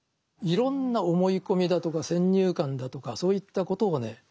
いろんな思い込みだとか先入観だとかそういったことをね